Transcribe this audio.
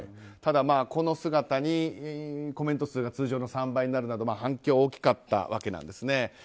ただ、この姿にコメント数が通常の３倍になるなど反響が大きかったわけなんですね。